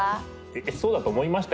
えっそうだと思いました？